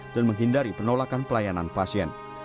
dan menghindari penolakan pelayanan pasien